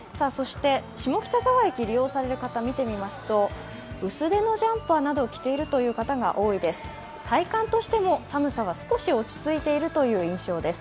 下北沢駅を利用される方見てみますと薄手のジャンパーなどを着ている方が多いです。